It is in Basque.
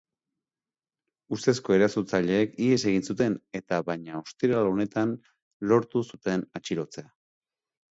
Ustezko erasotzaileek ihes egin zuten, eta baina ostiral honetan lortu zuten atxilotzea.